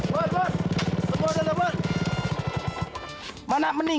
saya mau lihat ekor tangan mereka